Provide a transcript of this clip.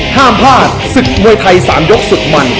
ห้ามพลาดศึกมวยไทย๓ยกสุดมัน